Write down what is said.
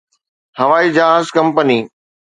هوائي جهاز ڪمپني